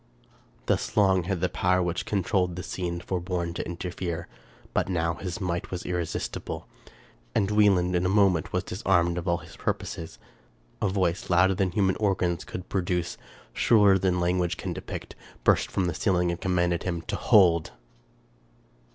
Thus long had the power which controlled the scene forborne to interfere : but now his might was irresistible ; and Wieland in a moment was disarmed of all his pur poses. A voice, louder than human organs could produce, shriller than language can depict, burst from the ceiling and commanded him — to hold!